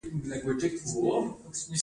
د فراه په لاش او جوین کې د ګچ نښې شته.